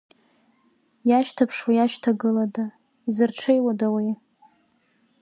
Иашьҭаԥшуа иашьҭагылада, изырҽеиуада уи?